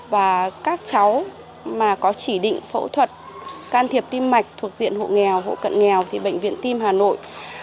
và các cháu mà có chỉ định phẫu thuật can thiệp tim mạch thuộc diện hộ nghèo hộ cận nghèo thì bệnh viện tim hà nội